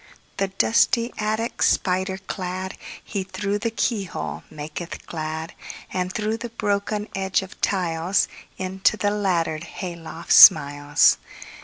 The dusty attic spider cladHe, through the keyhole, maketh glad; And through the broken edge of tiles, Into the laddered hay loft smiles.